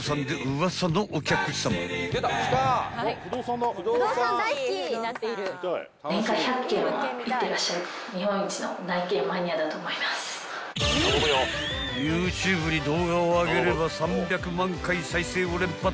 ［ＹｏｕＴｕｂｅに動画をあげれば３００万回再生を連発］